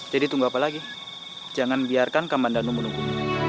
jadi tunggu apa lagi jangan biarkan kamandanu menunggu